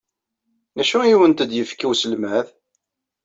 D acu ay awent-d-yefka uselmad?